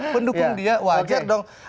pendukung dia wajar dong